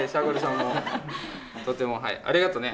とてもはいありがとね。